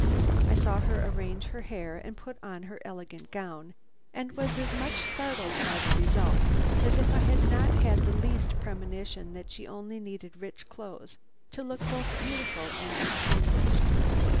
I saw her arrange her hair and put on her elegant gown, and was as much startled by the result as if I had not had the least premonition that she only needed rich clothes to look both beautiful and distinguished.